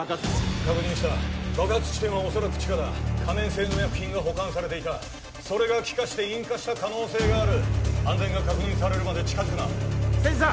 確認した爆発地点は恐らく地下だ可燃性の薬品が保管されていたそれが気化して引火した可能性がある安全が確認されるまで近づくな千住さん！